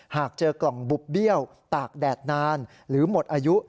หากเจอกล่องบุบเบี้ยวตากแดดนานหรือหมดอายุ